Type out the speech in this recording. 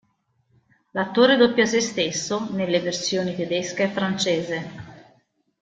L'attore doppia se stesso nelle versioni tedesca e francese.